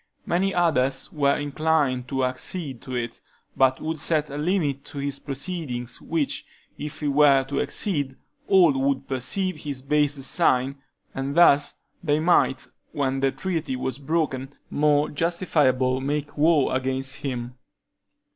Many others were inclined to accede to it, but would set a limit to his proceedings, which, if he were to exceed, all would perceive his base design, and thus they might, when the treaty was broken, more justifiably make war against him.